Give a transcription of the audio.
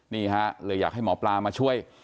นี่ฮะเลยอยากให้หมอปลามาช่วย